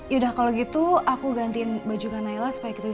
yaudah kalo gitu aku gantiin baju nailah supaya gitu juga